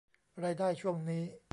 รายได้ช่วงนี้